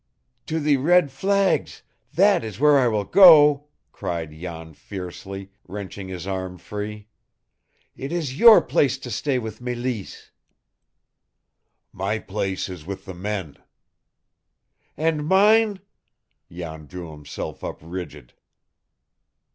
"To the red flags, that is where I will go!" cried Jan fiercely, wrenching his arm free. "It is your place to stay with Mélisse!" "My place is with the men." "And mine?" Jan drew himself up rigid.